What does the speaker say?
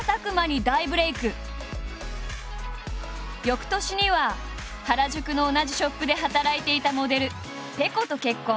翌年には原宿の同じショップで働いていたモデル「ぺこ」と結婚。